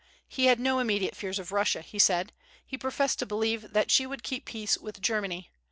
He had no immediate fears of Russia, he said; he professed to believe that she would keep peace with Germany.